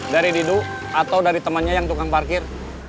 dari didu atau dari temannya yang tukang parkir